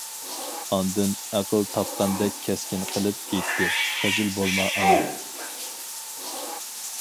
ئاندىن، ئەقىل تاپقاندەك كەسكىن قىلىپ ئېيتتى:-خىجىل بولما ئانا.